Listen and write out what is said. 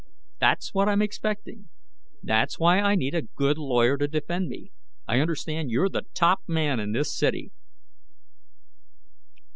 That's what I'm expecting. That's why I need a good lawyer to defend me. I understand you're the top man in this city."